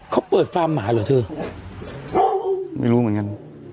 เขาเปิดฟาร์มหมาเหรอเธอไม่รู้เหมือนกัน